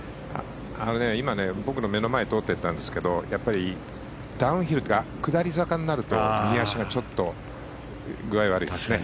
今、僕の目の前を通っていったんですけどやっぱり、ダウンヒルというか下り坂になると右足がちょっと具合悪いですね。